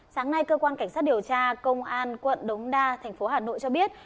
sáng nay cơ quan cảnh sát điều tra công an quận đống đa thành phố hà nội cho biết